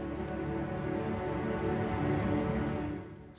dan kepala bidang tanaman pangan